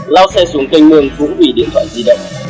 lao xe xuống kênh mương cũng hủy điện thoại di động